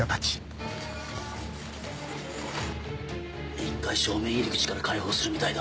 １階正面入り口から解放するみたいだ。